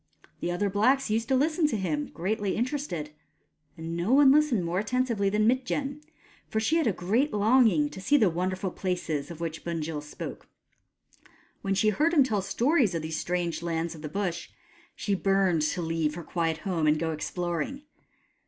The other blacks used to listen to him, greatly interested ; and no one listened more attentively than Mitjen, for she had a great longing to see the wonderful places of which Bunjil spoke. When she heard him tell stories of these strange lands of the Bush, she burned to leave her quiet home and go exploring.